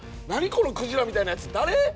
このクジラみたいなやつ誰？